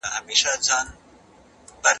د ادبي ډلې پلوي په څېړنه کې حرامه ده.